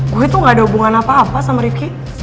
gue tuh gak ada hubungan apa apa sama ringki